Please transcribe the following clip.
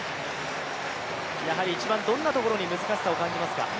一番どんなところに難しさを感じますか？